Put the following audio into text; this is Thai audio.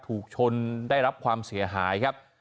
ถูกชนได้รับความเสียหายครับ